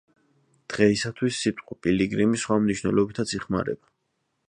დღეისათვის სიტყვა პილიგრიმი სხვა მნიშვნელობითაც იხმარება.